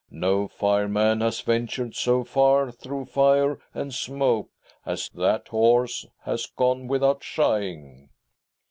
No fireman has ventured so far through fire and smoke as that horse has gone without shying."